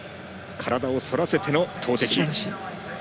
体を反らせての投てき。